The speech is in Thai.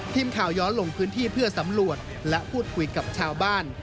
ทีมข่าวย้อนลงพื้นที่เพื่อสำรวจและพูดคุยกับชาวบ้าน